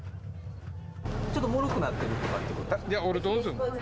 ちょっともろくなってるとかっていうことですか？